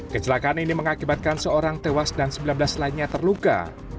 kecelakaan ini mengakibatkan seorang tewas dan sembilan belas lainnya terluka